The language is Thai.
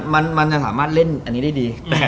มันจะสามารถเล่นอันนี้ได้ดี